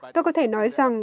tôi có thể nói rằng